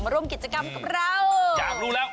ร่วมกิจกรรมกับเราอยากรู้แล้ว